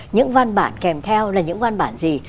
những văn bản kèm theo là những văn bản gì